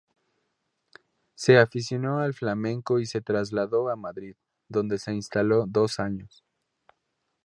Se aficionó al flamenco y se trasladó a Madrid, donde se instaló dos años.